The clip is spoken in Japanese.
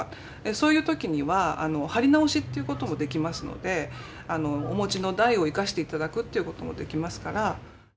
そういう時には貼り直しということもできますのでお持ちの台を生かしていただくということもできますから。